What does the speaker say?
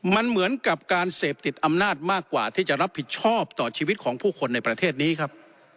มันเหมือนกับการเสพติดอำนาจมากกว่าที่จะรับผิดชอบต่อชีวิตของผู้คนในประเทศนี้ครับ